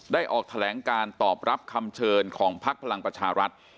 ออกแถลงการตอบรับคำเชิญของพักพลังประชารัฐ